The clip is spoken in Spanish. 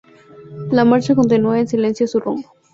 La marcha continuó en silencio su rumbo.